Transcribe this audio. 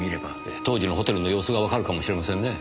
当時のホテルの様子がわかるかもしれませんねぇ。